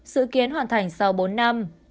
sự kiến hoàn thành sau bốn năm